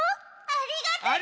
ありがとう！